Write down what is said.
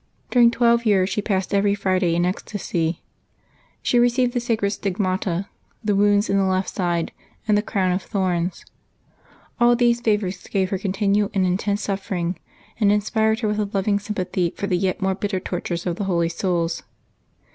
During twelve years she passed every Friday in ecstasy. She received the sa Fkbeuaey 14] .jIVES of the SAINTS 73 cred stigmata, '■ be wound in the left side, and the crown of thorns. All these favors gave her continual and intense suffering, and inspired her with a loving sympathy for the yet more bitter tortures of the Holy Souls.